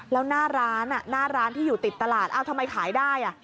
แล้วหน้าร้านที่อยู่ติดตลาดทำไมขายได้